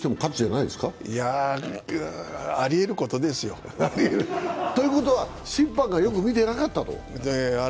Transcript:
いや、ありえることですよということは、審判がよく見てなかったと？